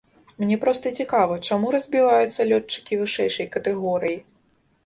Мне проста цікава, чаму разбіваюцца лётчыкі вышэйшай катэгорыі?